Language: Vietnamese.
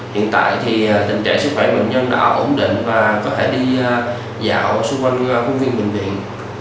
hiện tại thì tình trạng sức khỏe bệnh nhân đã ổn định và có thể đi dạo ở xung quanh khuôn viên bệnh viện